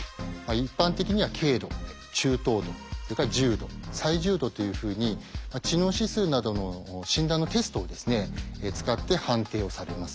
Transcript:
一般的には軽度中等度それから重度最重度というふうに知能指数などの診断のテストを使って判定をされます。